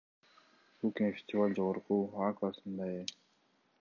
Бул кинофестиваль жогорку А классына ээ.